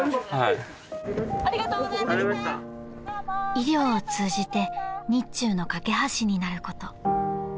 ［医療を通じて日中の懸け橋になること］